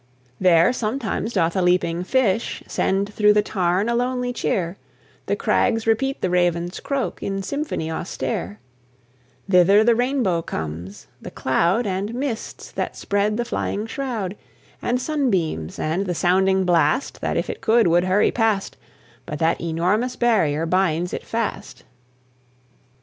There sometimes doth a leaping fish Send through the tarn a lonely cheer; The crags repeat the raven's croak, In symphony austere; Thither the rainbow comes the cloud And mists that spread the flying shroud; And sunbeams; and the sounding blast, That, if it could, would hurry past, But that enormous barrier binds it fast.